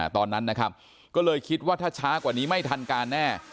ตอนนั้นนะครับก็เลยคิดว่าถ้าช้ากว่านี้ไม่ทันการแน่